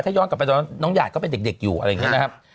ย้อนกลับไปตอนนั้นน้องหยาดก็เป็นเด็กอยู่อะไรอย่างนี้นะครับ